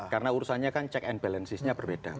karena urusannya kan check and balancesnya berbeda